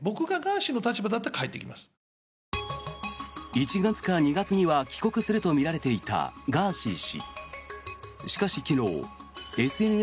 １月か２月には帰国するとみられていたガーシー氏。